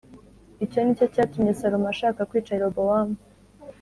Icyo ni cyo cyatumye Salomo ashaka kwica Yerobowamu